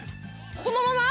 このまま？